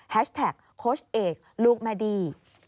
แท็กโค้ชเอกลูกแม่ดี